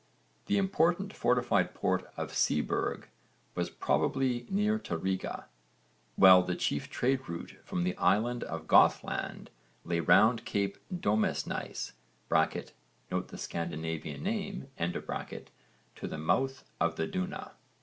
The important fortified port of Seeburg was probably near to Riga, while the chief trade route from the island of Gothland lay round cape Domesnæes (note the Scandinavian name) to the mouth of the Duna.